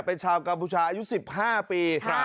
เป็นชาวกัมพูชาอายุ๑๕ปี